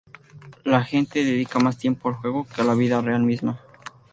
La gente dedica más tiempo al juego que a la vida real misma.